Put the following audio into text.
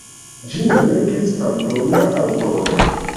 Ĝin verkis fantoma aŭtoro.